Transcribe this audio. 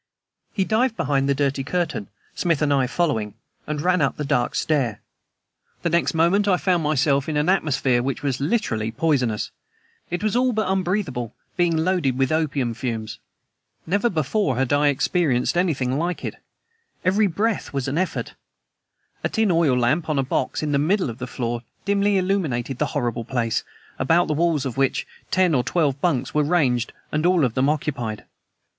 He dived behind the dirty curtain, Smith and I following, and ran up a dark stair. The next moment I found myself in an atmosphere which was literally poisonous. It was all but unbreathable, being loaded with opium fumes. Never before had I experienced anything like it. Every breath was an effort. A tin oil lamp on a box in the middle of the floor dimly illuminated the horrible place, about the walls of which ten or twelve bunks were ranged and all of them occupied.